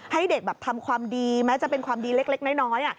ให้เด็กแบบทำความดีแม้จะเป็นความดีเล็กเล็กน้อยน้อยอ่ะ